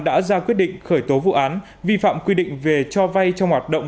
đã ra quyết định khởi tố vụ án vi phạm quy định về cho vay trong hoạt động